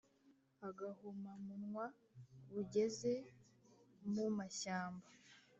agahomamunwa bugeze mu mashyamba